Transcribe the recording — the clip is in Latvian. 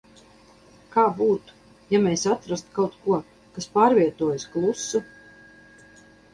Kā būtu, ja mēs atrastu kaut ko, kas pārvietojas klusu?